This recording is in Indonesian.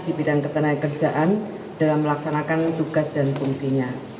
di bidang ketenagakerjaan dalam melaksanakan tugas dan fungsinya